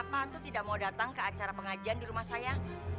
pak haji kenapa tuh tidak mau datang ke acara pengajian di rumah saya